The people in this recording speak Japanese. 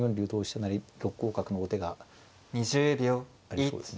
成６五角の王手がありそうですね。